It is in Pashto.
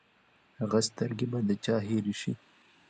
هغه سترګې به د چا هېرې شي!